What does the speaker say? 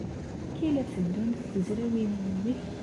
Amek ay la tteddunt tezrawin-nnek?